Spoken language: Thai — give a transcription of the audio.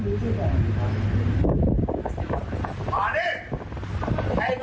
มานี่ให้นอนไปนี่